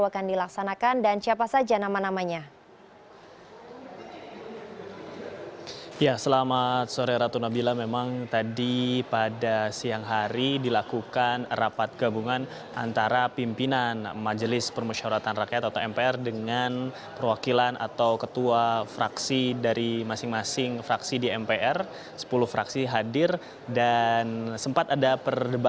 titi soeharto menjawab